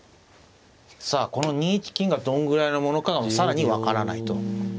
さあこの２一金がどんぐらいのものかが更に分からないと。